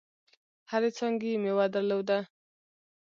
هرې څانګي یې مېوه درلوده .